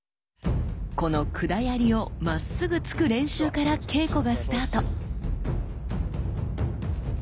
この管槍をまっすぐ突く練習から稽古がスタート。